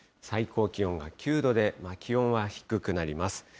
最高気温が９度で、気温は低くなります。